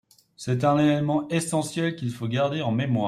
C’est un élément essentiel qu’il faut garder en mémoire.